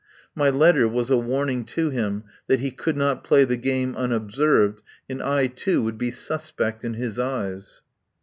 My letter was a warning to him that he could not play the game unobserved, and I, too, would be sus pect in his eyes.